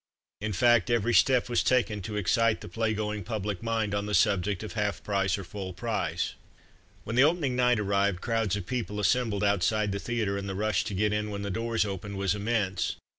In fact, every step was taken to excite the (play going) public mind on the subject of "half price or full price." When the opening night arrived, crowds of people assembled outside the theatre, and the rush to get in, when the doors opened, was immense.